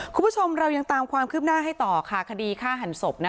คุณผู้ชมเรายังตามความคืบหน้าให้ต่อค่ะคดีฆ่าหันศพ